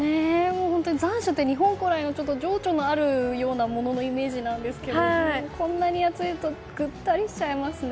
残暑って日本古来の情緒のあるようなもののイメージなんですけどこんなに暑いとぐったりしちゃいますね。